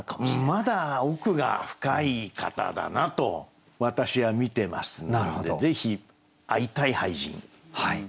まだ奥が深い方だなと私は見てますのでぜひ会いたい俳人。